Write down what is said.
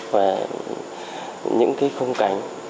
và những không cảnh